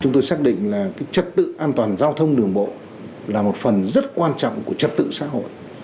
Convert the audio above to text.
chúng tôi xác định là trật tự an toàn giao thông đường bộ là một phần rất quan trọng của trật tự xã hội